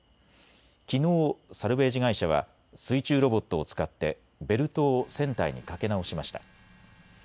きのうサルベージ会社は水中ロボットを使ってベルトを船体にかけ直しました。